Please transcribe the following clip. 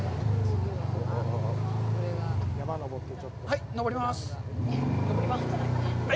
はい、上ります。